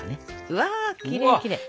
うわきれいきれい！